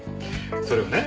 それがね